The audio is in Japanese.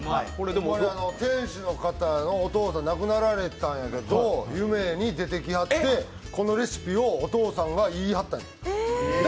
店主の方のお父さんが亡くなられたんやけど、夢に出てきはって、このレシピをお父さんが言いはったんやって。